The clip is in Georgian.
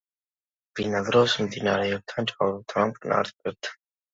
ბინადრობს მდინარეებთან, ჭაობებთან და მტკნარ ტბებთან.